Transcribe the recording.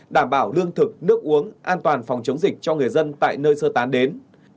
đảm bảo lương thực nước uống an toàn phòng chống dịch cho người dân tại nơi sơ tán đến